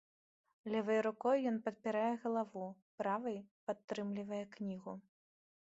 Левай рукой ён падпірае галаву, правай падтрымлівае кнігу.